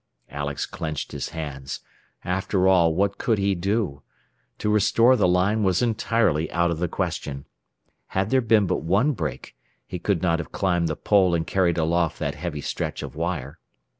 Alex clenched his hands. After all, what could he do? To restore the line was entirely out of the question. Had there been but one break he could not have climbed the pole and carried aloft that heavy stretch of wire.